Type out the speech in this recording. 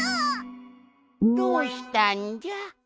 どうしたんじゃ？